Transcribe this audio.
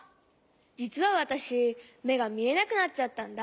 じつはわたしめがみえなくなっちゃったんだ。